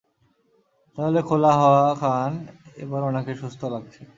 তাহলে খোলা হাওয়া খান, এবার উনাকে সুস্থ লাগছে।